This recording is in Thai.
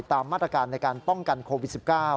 ตามมาตรการในการป้องกันโควิด๑๙